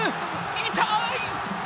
痛い！